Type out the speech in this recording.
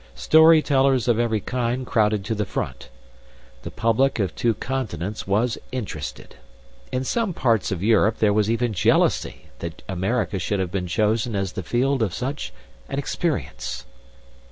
Story tellers of every kind crowded to the front. The public of two continents was interested. In some parts of Europe there was even jealousy that America should have been chosen as the field of such an experience.